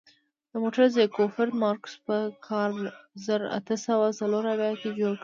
دا موټر زیکفرد مارکوس په کال زر اته سوه څلور اویا کې جوړ کړ.